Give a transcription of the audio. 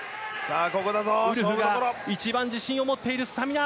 ウルフが一番自信を持っているスタミナ。